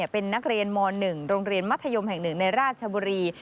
เป็นนักเรียนม๑โรงเรียนมัธยมแห่ง๑ในราชบุรี